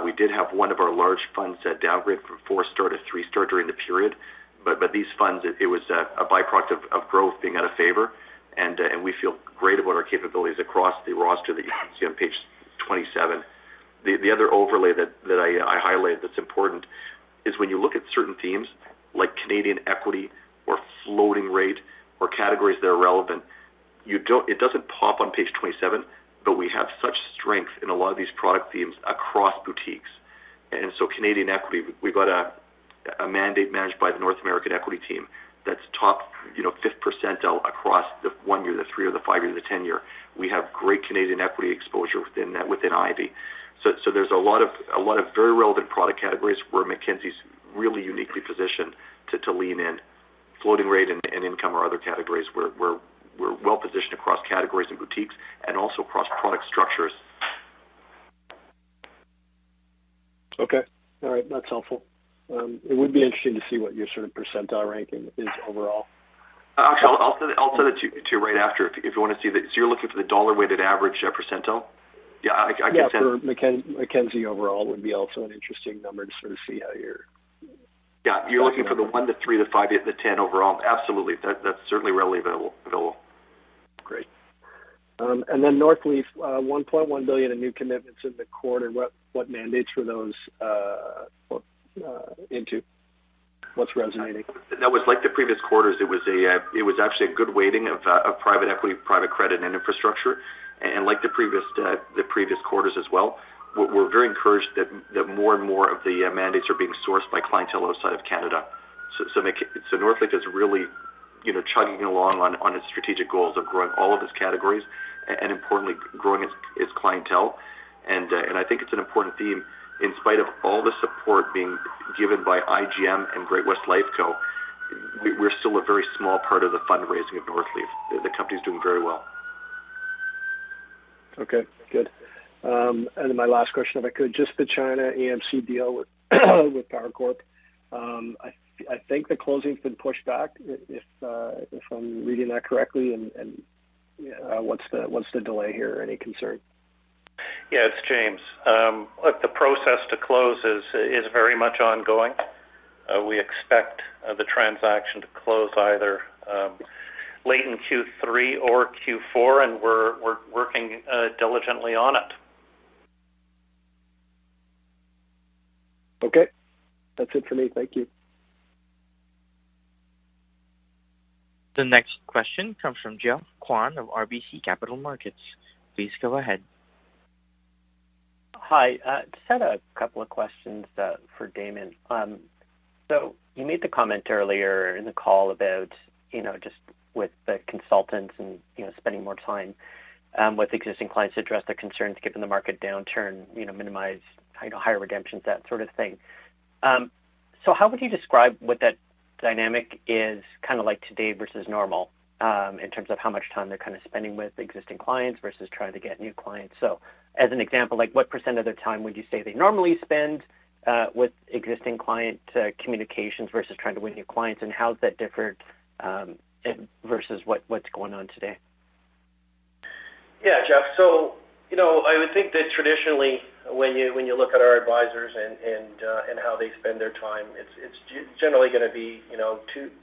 We did have one of our large funds downgrade from 4-star to 3-star during the period. These funds, it was a by-product of growth being out of favor, and we feel great about our capabilities across the roster that you see on page 27. The other overlay that I highlighted that's important is when you look at certain themes like Canadian equity or floating rate or categories that are relevant. It doesn't pop on page 27, but we have such strength in a lot of these product themes across boutiques. Canadian equity, we've got a mandate managed by the North American equity team that's top, you know, fifth percentile across the 1-year, the 3- or 5-year, the 10-year. We have great Canadian equity exposure within that, within Ivy. There's a lot of very relevant product categories where Mackenzie's really uniquely positioned to lean in. Floating rate and income are other categories we're well-positioned across categories and boutiques and also across product structures. Okay. All right. That's helpful. It would be interesting to see what your sort of percentile ranking is overall. Actually, I'll send it to you right after if you want to see the. You're looking for the dollar-weighted average percentile? Yeah. I can send- Yeah. For Mackenzie overall would be also an interesting number to sort of see how you're Yeah. You're looking for the one to three to five, the 10 overall. Absolutely. That, that's certainly readily available. Great. Northleaf, 1.1 billion in new commitments in the quarter. What mandates were those put into? What's resonating? That was like the previous quarters. It was actually a good weighting of private equity, private credit, and infrastructure. Like the previous quarters as well, we're very encouraged that more and more of the mandates are being sourced by clientele outside of Canada. Northleaf is really You know, chugging along on its strategic goals of growing all of its categories and importantly, growing its clientele. I think it's an important theme. In spite of all the support being given by IGM and Great-West Lifeco, we're still a very small part of the fundraising at Northleaf. The company's doing very well. Okay, good. Then my last question, if I could, just the ChinaAMC deal with Power Corp. I think the closing's been pushed back if I'm reading that correctly. What's the delay here? Any concern? Yeah, it's James. Look, the process to close is very much ongoing. We expect the transaction to close either late in Q3 or Q4, and we're working diligently on it. Okay. That's it for me. Thank you. The next question comes from Geoffrey Kwan of RBC Capital Markets. Please go ahead. Hi. Just had a couple of questions for Damon. So you made the comment earlier in the call about, you know, just with the consultants and, you know, spending more time with existing clients to address their concerns given the market downturn, you know, minimize higher redemptions, that sort of thing. So how would you describe what that dynamic is kind of like today versus normal in terms of how much time they're kind of spending with existing clients versus trying to get new clients? So as an example, like, what percent of their time would you say they normally spend with existing client communications versus trying to win new clients? And how does that differ versus what's going on today? Yeah, Geoffrey. You know, I would think that traditionally, when you look at our advisors and how they spend their time, it's generally going to be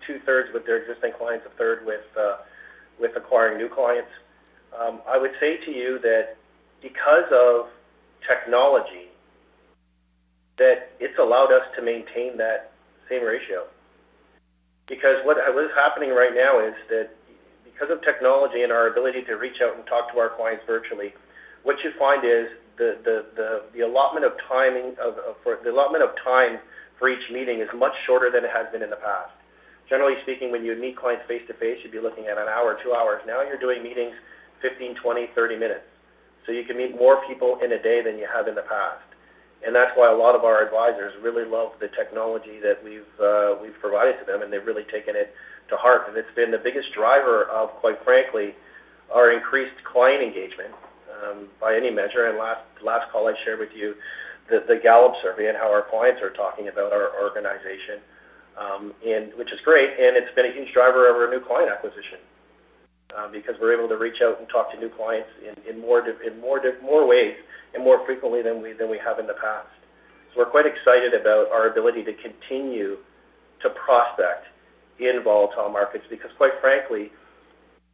two-thirds with their existing clients, a third with acquiring new clients. I would say to you that because of technology, it's allowed us to maintain that same ratio. Because what is happening right now is that because of technology and our ability to reach out and talk to our clients virtually, what you find is the allotment of time for each meeting is much shorter than it has been in the past. Generally speaking, when you meet clients face-to-face, you'd be looking at an hour, two hours. Now you're doing meetings 15, 20, 30 minutes, so you can meet more people in a day than you have in the past. That's why a lot of our advisors really love the technology that we've provided to them, and they've really taken it to heart. It's been the biggest driver of, quite frankly, our increased client engagement, by any measure. Last call I shared with you the Gallup survey and how our clients are talking about our organization, and which is great. It's been a huge driver of our new client acquisition, because we're able to reach out and talk to new clients in more ways and more frequently than we have in the past. We're quite excited about our ability to continue to prospect in volatile markets, because quite frankly,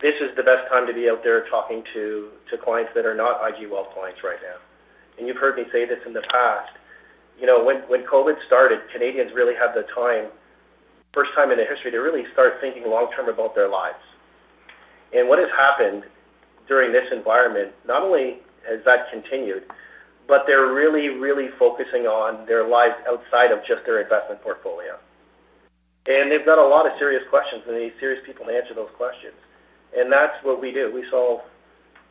this is the best time to be out there talking to clients that are not IG Wealth clients right now. You've heard me say this in the past. You know, when COVID started, Canadians really had the time, first time in their history, to really start thinking long term about their lives. What has happened during this environment, not only has that continued, but they're really, really focusing on their lives outside of just their investment portfolio. They've got a lot of serious questions, and they need serious people to answer those questions. That's what we do. We solve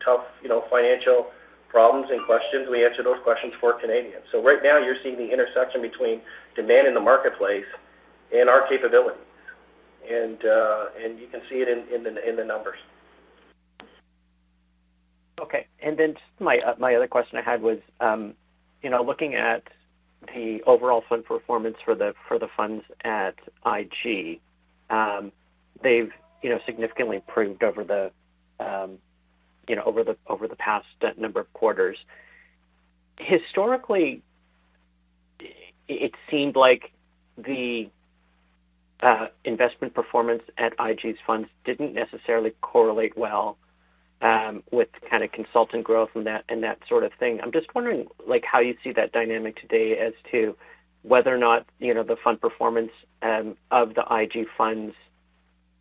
tough, you know, financial problems and questions. We answer those questions for Canadians. Right now you're seeing the intersection between demand in the marketplace and our capability. You can see it in the numbers. Okay. Just my other question I had was, you know, looking at the overall fund performance for the funds at IG, they've, you know, significantly improved over the past number of quarters. Historically, it seemed like the investment performance at IG's funds didn't necessarily correlate well with the kind of consultant growth and that sort of thing. I'm just wondering, like, how you see that dynamic today as to whether or not, you know, the fund performance of the IG funds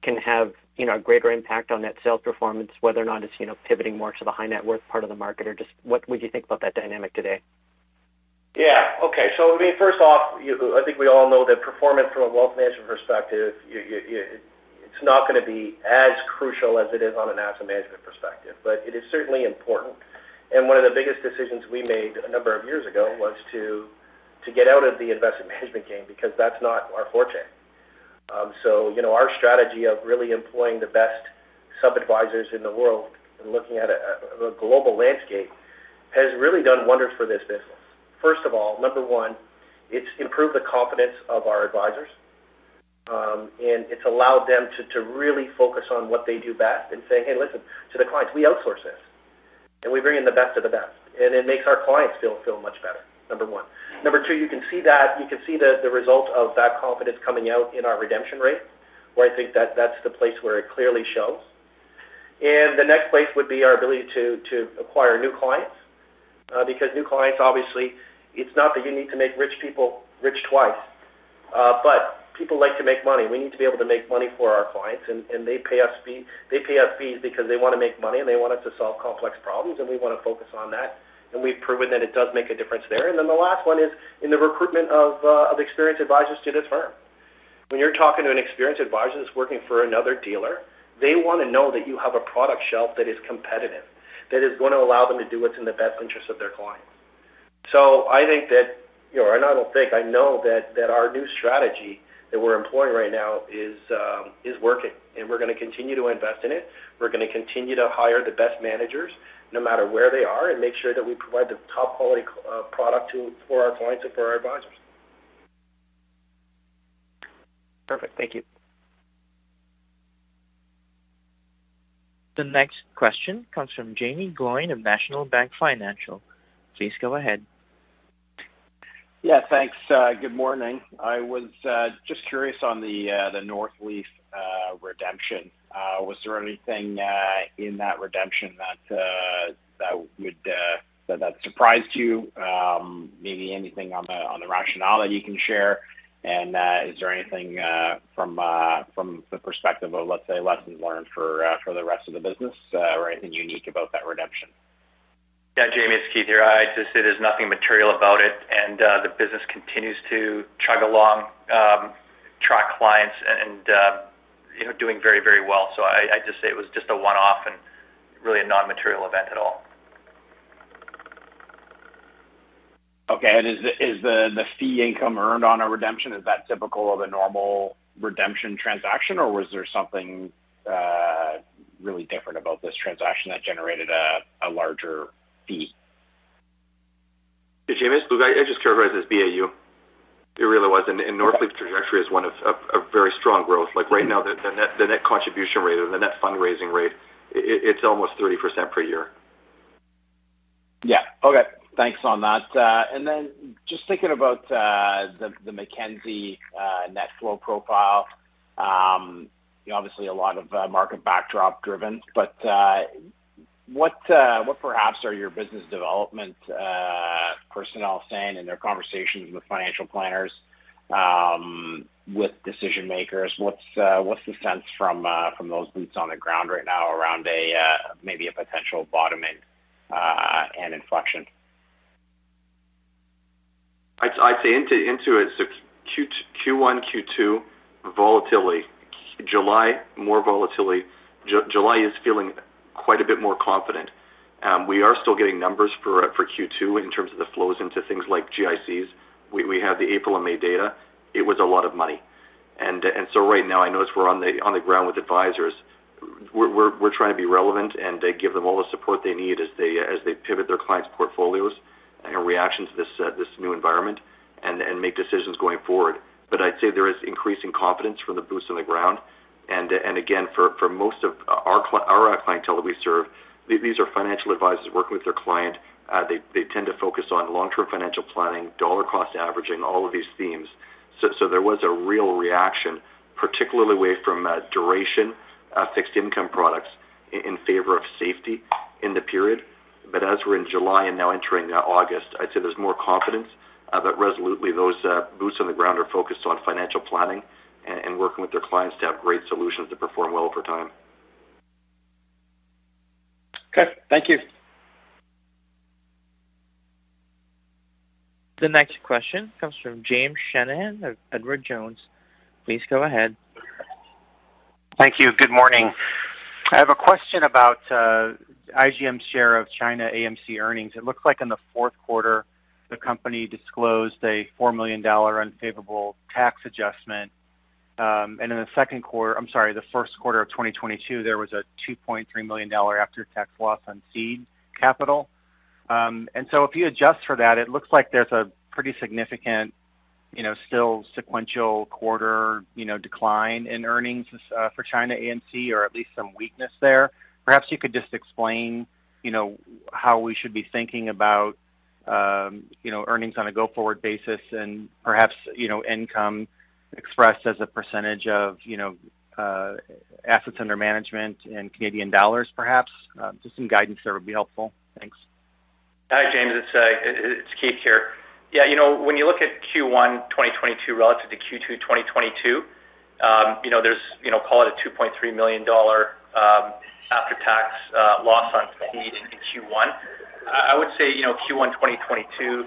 can have, you know, a greater impact on net sales performance, whether or not it's, you know, pivoting more to the high net worth part of the market, or just what would you think about that dynamic today? Yeah. Okay. I mean, first off, you I think we all know that performance from a wealth management perspective it's not going to be as crucial as it is on an asset management perspective, but it is certainly important. One of the biggest decisions we made a number of years ago was to get out of the investment management game because that's not our forte. You know, our strategy of really employing the best sub-advisors in the world and looking at a global landscape has really done wonders for this business. First of all, number one, it's improved the confidence of our advisors, and it's allowed them to really focus on what they do best and say, "Hey, listen," to the clients, "we outsource this, and we bring in the best of the best." It makes our clients feel much better, number one. Number two, you can see the result of that confidence coming out in our redemption rate, where I think that's the place where it clearly shows. The next place would be our ability to acquire new clients, because new clients, obviously, it's not that you need to make rich people rich twice, but people like to make money. We need to be able to make money for our clients, and they pay us fees because they want to make money, and they want us to solve complex problems, and we want to focus on that. We've proven that it does make a difference there. Then the last one is in the recruitment of experienced advisors to this firm. When you're talking to an experienced advisor that's working for another dealer, they want to know that you have a product shelf that is competitive, that is going to allow them to do what's in the best interest of their clients. I think that, you know, I know that our new strategy that we're employing right now is working, and we're going to continue to invest in it. We're going to continue to hire the best managers no matter where they are, and make sure that we provide the top quality product for our clients and for our advisors. Perfect. Thank you. The next question comes from Jaeme Gloyn of National Bank Financial. Please go ahead. Yeah. Thanks. Good morning. I was just curious on the Northleaf redemption. Was there anything in that redemption that surprised you? Maybe anything on the rationale that you can share? Is there anything from the perspective of, let's say, lessons learned for the rest of the business, or anything unique about that redemption? Yeah, Jaeme, it's Keith here. I'd just say there's nothing material about it, and the business continues to chug along, attract clients and, you know, doing very, very well. I just say it was just a one-off and really a non-material event at all. Okay. Is the fee income earned on a redemption typical of a normal redemption transaction, or was there something really different about this transaction that generated a larger fee? Jaeme, it's Luke. I just characterize it as BAU. It really was. Northleaf's trajectory is one of very strong growth. Like right now, the net contribution rate or the net fundraising rate it's almost 30% per year. Yeah. Okay. Thanks on that. Just thinking about the Mackenzie net flow profile. Obviously a lot of market backdrop driven, but what perhaps are your business development personnel saying in their conversations with financial planners with decision-makers? What's the sense from those boots on the ground right now around a maybe a potential bottoming and inflection? I'd say into it, so Q1, Q2 volatility. July, more volatility. July is feeling quite a bit more confident. We are still getting numbers for Q2 in terms of the flows into things like GICs. We have the April and May data. It was a lot of money. Right now, I notice we're on the ground with advisors. We're trying to be relevant and give them all the support they need as they pivot their clients' portfolios in reaction to this new environment and make decisions going forward. I'd say there is increasing confidence from the boots on the ground. For most of our clientele that we serve, these are financial advisors working with their client. They tend to focus on long-term financial planning, dollar cost averaging, all of these themes. There was a real reaction, particularly away from duration, fixed income products in favor of safety in the period. As we're in July and now entering August, I'd say there's more confidence. Resolutely those boots on the ground are focused on financial planning and working with their clients to have great solutions that perform well over time. Okay. Thank you. The next question comes from James Shanahan of Edward Jones. Please go ahead. Thank you. Good morning. I have a question about IGM's share of ChinaAMC earnings. It looks like in the fourth quarter, the company disclosed a 4 million dollar unfavorable tax adjustment. In the first quarter of 2022, there was a 2.3 million dollar after-tax loss on seed capital. If you adjust for that, it looks like there's a pretty significant, you know, still sequential quarter, you know, decline in earnings for ChinaAMC or at least some weakness there. Perhaps you could just explain, you know, how we should be thinking about, you know, earnings on a go-forward basis and perhaps, you know, income expressed as a percentage of, you know, assets under management in Canadian dollars, perhaps. Just some guidance there would be helpful. Thanks. Hi, James. It's Keith here. You know, when you look at Q1 2022 relative to Q2 2022, you know, there's you know, call it a 2.3 million dollar after-tax loss on seed in Q1. I would say, you know, Q1 2022,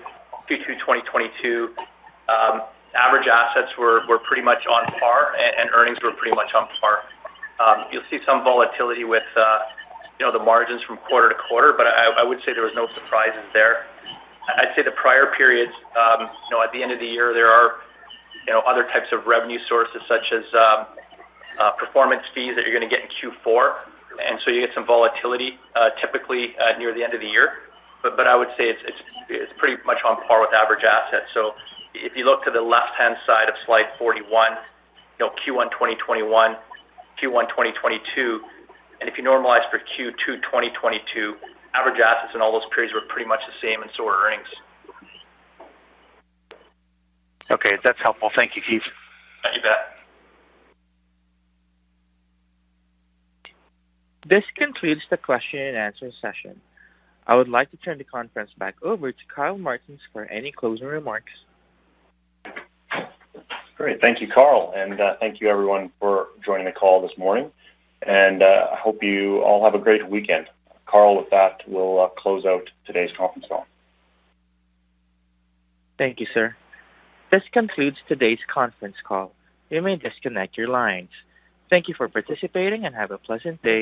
Q2 2022, average assets were pretty much on par and earnings were pretty much on par. You'll see some volatility with you know, the margins from quarter to quarter, but I would say there was no surprises there. I'd say the prior periods, you know, at the end of the year there are, you know, other types of revenue sources such as performance fees that you're going to get in Q4. You get some volatility typically near the end of the year. I would say it's pretty much on par with average assets. If you look to the left-hand side of slide 41, you know, Q1 2021, Q1 2022, and if you normalize for Q2 2022, average assets in all those periods were pretty much the same, and so were earnings. Okay. That's helpful. Thank you, Keith. You bet. This concludes the question and answer session. I would like to turn the conference back over to Kyle Martens for any closing remarks. Great. Thank you, Carl. Thank you everyone for joining the call this morning. I hope you all have a great weekend. Carl, with that, we'll close out today's conference call. Thank you, sir. This concludes today's conference call. You may disconnect your lines. Thank you for participating and have a pleasant day.